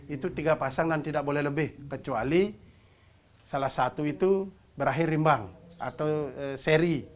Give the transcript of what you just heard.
itu tiga pasang dan tidak boleh lebih kecuali salah satu itu berakhir rimbang atau seri